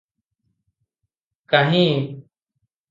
କାହିଁ?